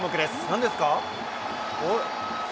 なんですか。